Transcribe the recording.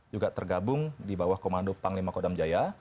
juga tergabung di bawah komando panglima kodam jaya